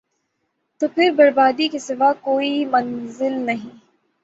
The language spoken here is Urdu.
تو پھر بربادی کے سوا کوئی منزل نہیں ۔